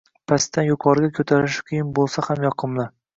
Pastdan yuqoriga ko‘tarilish qiyin bo‘lsa ham yoqimli.